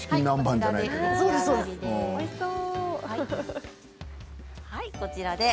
おいしそう。